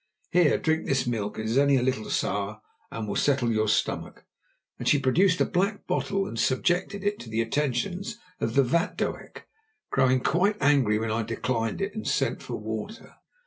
Here, drink this milk; it is only a little sour and will settle your stomach," and she produced a black bottle and subjected it to the attentions of the vatdoek, growing quite angry when I declined it and sent for water.